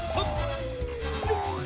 よっ！